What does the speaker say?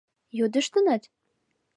— Йодыштыныт?